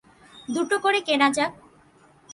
দুটো করে কেনা যাক।